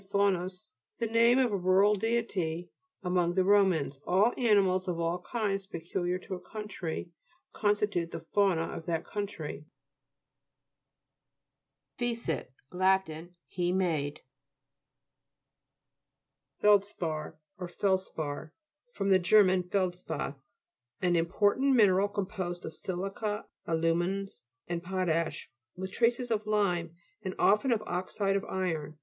faunus, the name of a rural deity among the Romans. All animals of all kinds peculiar to a country constitute the fauna of that country. FECIT Lat. He made. FELD'SPAR, OR FELSPAR fr. ger. feldspath. An important mineral composed of si'lica, alu'mina, and potash, with traces of lime, and often of oxide of iron.